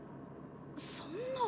そんな。